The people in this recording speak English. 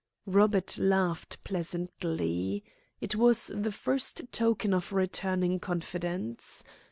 Robert laughed pleasantly. It was the first token of returning confidence.